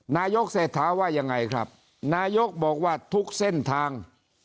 นายกเศรษฐาว่ายังไงครับนายกบอกว่าทุกเส้นทาง